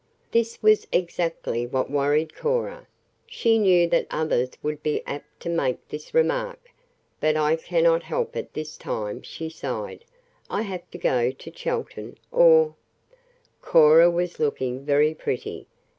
This was exactly what worried Cora; she knew that others would be apt to make this remark. "But I cannot help it this time," she sighed. "I have to go to Chelton, or " Cora was looking very pretty.